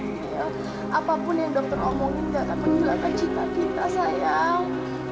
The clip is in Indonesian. milo apapun yang dokter omongin gak akan melakukan cinta kita sayang